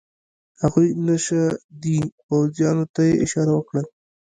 هغوی نشه دي، پوځیانو ته یې اشاره وکړل.